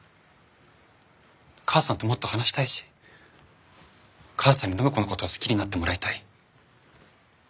母さんともっと話したいし母さんに暢子のことを好きになってもらいたい。